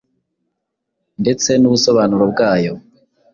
ndetse n’ubusobanuro bwayo